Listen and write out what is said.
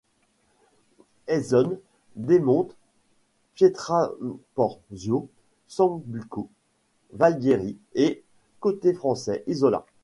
Aisone, Demonte, Pietraporzio, Sambuco, Valdieri et, côté français, Isola.